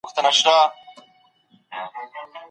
په ورين تندي ورکړه کول پکار دي